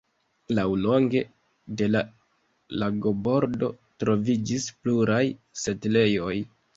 Laŭlonge de la lagobordo troviĝis pluraj setlejoj.